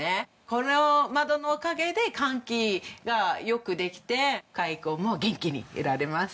この窓のおかげで換気がよくできて蚕も元気にいられます。